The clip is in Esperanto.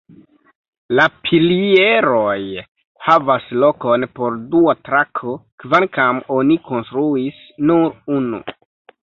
La pilieroj havas lokon por dua trako, kvankam oni konstruis nur unu.